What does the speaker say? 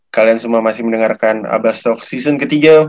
kalian semua masih mendengarkan abasok season ketiga